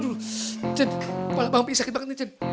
aduh jen kepala bang pi sakit banget nih jen